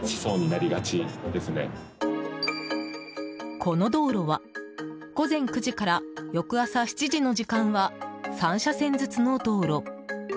この道路は午前９時から翌朝７時の時間は３車線ずつの道路。